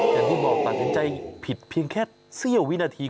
อย่างที่บอกตัดสินใจผิดเพียงแค่เสี้ยววินาที